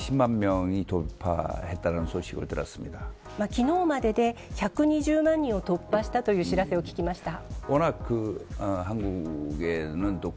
昨日までで１２０万人を突破したという知らせを聞きました。